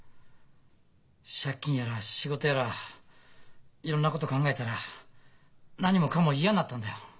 借金やら仕事やらいろんなこと考えたら何もかも嫌になったんだよ。